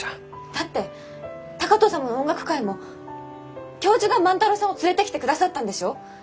だって高藤様の音楽会も教授が万太郎さんを連れてきてくださったんでしょ？